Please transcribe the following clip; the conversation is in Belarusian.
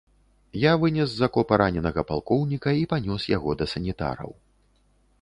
Я вынес з акопа раненага палкоўніка і панёс яго да санітараў.